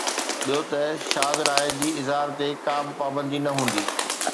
ٻيو ته شاز راءِ جي اظهار تي ڪا به پابندي نه هوندي.